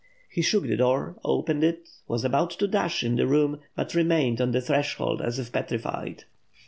He shook the door, opened it, was about to dash into the room, but remained on the threshold as if petrified.